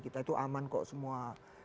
kita itu aman kok semua